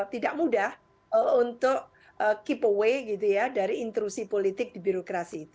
tidak mudah untuk key paway gitu ya dari intrusi politik di birokrasi itu